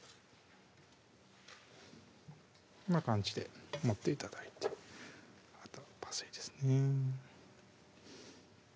こんな感じで盛って頂いてあとパセリですね